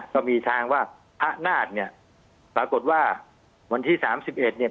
ก็มีทางว่าพระนาฏเนี่ยปรากฏว่าวันที่สามสิบเอ็ดเนี่ย